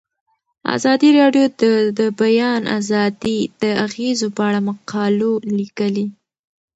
ازادي راډیو د د بیان آزادي د اغیزو په اړه مقالو لیکلي.